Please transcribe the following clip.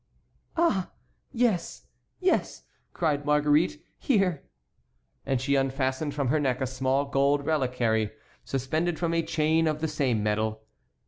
"Ah! yes, yes," cried Marguerite; "here!" And she unfastened from her neck a small gold reliquary suspended from a chain of the same metal.